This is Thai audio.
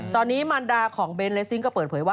ตอนนี้มันดาของเบนเลสซิ่งก็เปิดเผยว่า